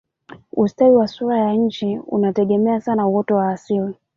ustawi wa sura ya nchi unategemea sana uoto wa asili